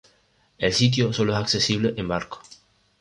El sitio sólo es accesible en barco.